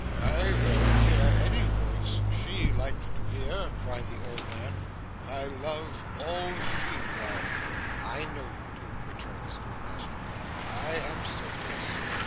'I will hear any voice she liked to hear,' cried the old man. 'I love all she loved!' 'I know you do,' returned the schoolmaster. 'I am certain of it.